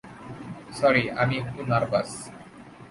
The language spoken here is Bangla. সরি, আমি একটু নার্ভাস।